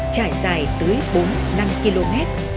trải dài tới bốn năm km